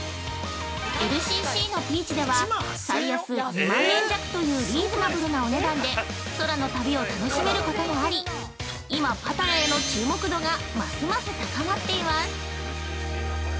ＬＣＣのピーチでは、大阪−バンコクが、最安２万円弱というリーズナブルなお値段で、空の旅が楽しめることもあり、今、パタヤへの注目度が高まっています。